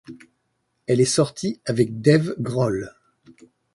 Elle est sortie avec Dave Grohl.